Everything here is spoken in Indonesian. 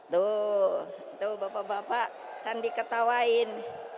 tuh bapak bapak kan diketawain